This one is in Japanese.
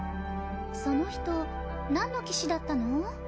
その人なんの騎士だったの？